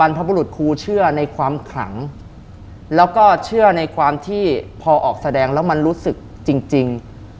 ออกแสดงแล้วมันรู้สึกจริง